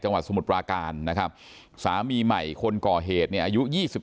จังหวัดสมุดปราการนะครับสามีใหม่คนกรเหตรเนี้ยอายุยี่สิบ